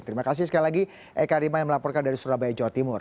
terima kasih sekali lagi eka rima yang melaporkan dari surabaya jawa timur